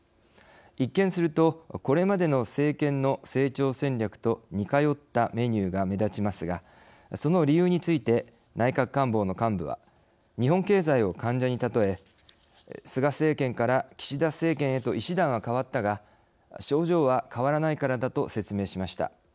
一見すると、これまでの政権の成長戦略と似通ったメニューが目立ちますがその理由について内閣官房の幹部は日本経済を患者に例え「菅政権から岸田政権へと医師団は変わったが症状は変わらないからだ」と説明しました。